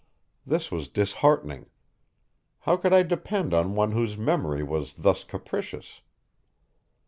This was disheartening. How could I depend on one whose memory was thus capricious?